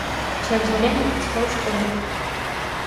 Пасля вызвалення працаваў у школе.